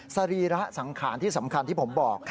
สรีระสังขารที่สำคัญที่ผมบอก